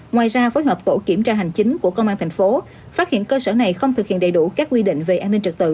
ngoài ra phối hợp tổ kiểm tra hành chính của công an thành phố phát hiện cơ sở này không thực hiện đầy đủ các quy định về an ninh trật tự